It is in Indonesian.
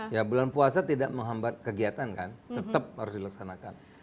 ya bulan puasa tidak menghambat kegiatan kan tetap harus dilaksanakan